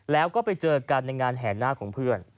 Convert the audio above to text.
แล้วก็ไปเจอกันในงานแห่หน้าของเพื่อน